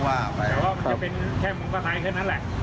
แต่ว่ามันจะเป็นแค่หมูกระทัยแค่นั้นแหละ